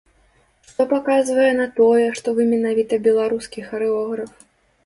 Што паказвае на тое, што вы менавіта беларускі харэограф?